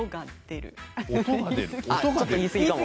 ちょっと言いすぎかも。